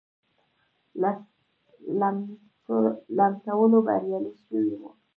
لمسولو بریالی شوی وو.